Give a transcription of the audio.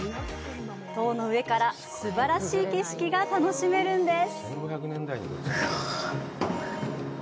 塔の上からすばらしい景色が楽しめるんです。